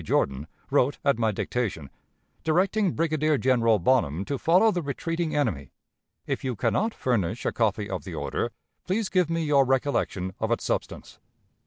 Jordan, wrote at my dictation, directing Brigadier General Bonham to follow the retreating enemy. If you can not furnish a copy of the order, please give me your recollection of its substance.